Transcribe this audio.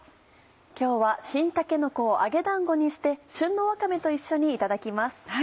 今日は新たけのこを揚げだんごにして旬のわかめと一緒にいただきます。